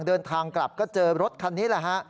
เดินทางกลับก็เจอรถคันนี้แหละฮะ